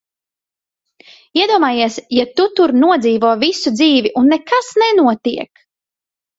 Iedomājies, ja tu tur nodzīvo visu dzīvi, un nekas nenotiek!